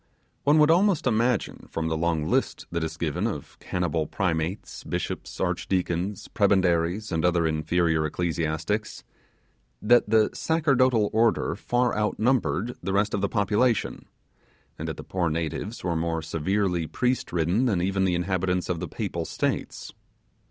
One would almost imagine from the long list that is given of cannibal primates, bishops, arch deacons, prebendaries, and other inferior ecclesiastics, that the sacerdotal order far outnumbered the rest of the population, and that the poor natives were more severely priest ridden than even the inhabitants of the papal states.